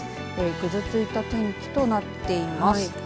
ぐずついた天気となっています。